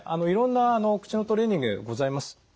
いろんなお口のトレーニングございます。